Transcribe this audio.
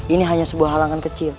ini hanya sebuah halangan kecil